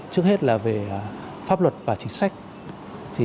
trước hết là về pháp luật và chính sách